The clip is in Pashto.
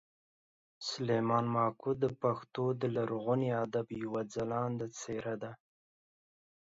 سلیمان ماکو د پښتو د لرغوني ادب یوه خلانده څېره ده